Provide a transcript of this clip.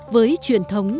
với truyền thống